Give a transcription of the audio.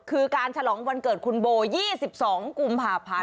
คือการฉลองวันเกิดคุณโบ๒๒กุมภาพันธ์